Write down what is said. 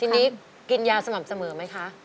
ทีนี้กินยาสม่ำเสมอไหมคะ